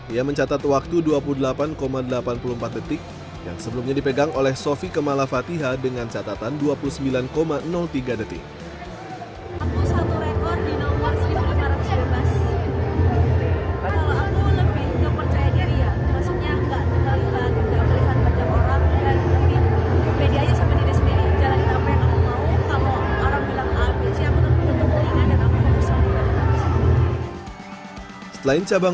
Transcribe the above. ia mencatat waktu dua puluh delapan delapan puluh empat detik yang sebelumnya dipegang oleh sofi kemala fatiha dengan catatan dua puluh sembilan tiga detik